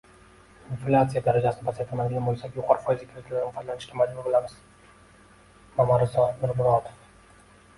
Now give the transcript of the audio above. Inflyatsiya darajasini pasaytirmaydigan bo‘lsak, yuqori foizli kreditlardan foydalanishga majbur bo‘lamiz — Mamarizo Nurmurodov